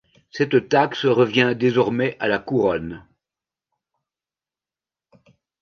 Cette taxe revient désormais à la Couronne.